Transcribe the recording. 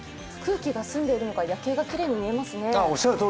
空気が澄んでいるのか夜景がきれいに見えますね。